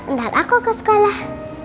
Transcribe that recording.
ntar aku ke sekolah